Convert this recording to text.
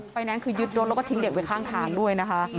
แนนซ์คือยึดรถแล้วก็ทิ้งเด็กไว้ข้างทางด้วยนะคะ